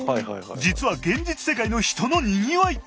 実は現実世界の人のにぎわい！